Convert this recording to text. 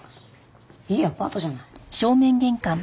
いいアパートじゃない。